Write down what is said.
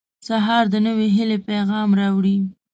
• سهار د نوې هیلې پیغام راوړي.